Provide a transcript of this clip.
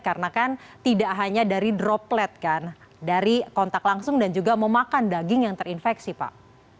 karena kan tidak hanya dari droplet kan dari kontak langsung dan juga memakan daging yang terinfeksi pak